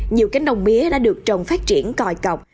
nhiều cánh đồng mía đã được trồng phát triển còi cọc